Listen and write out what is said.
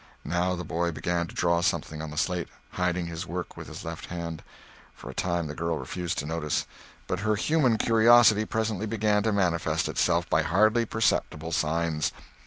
Now the boy began to draw something on the slate, hiding his work with his left hand. For a time the girl refused to notice; but her human curiosity presently began to manifest itself by hardly perceptible signs.